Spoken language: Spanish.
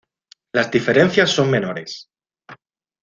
Las diferencias son menores.